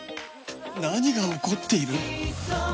何が起こっている！？